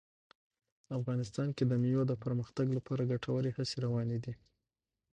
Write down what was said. افغانستان کې د مېوو د پرمختګ لپاره ګټورې هڅې روانې دي.